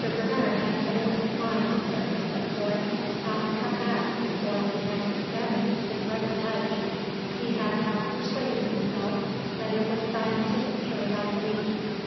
Bernard had made up his mind, when he set forth, not to come back before he had examined the dreaded ledge. He had half persuaded himself that it was scientific curiosity.